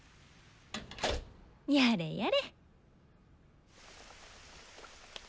やれやれ。